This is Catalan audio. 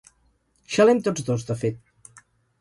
Xalem tots dos, de fet.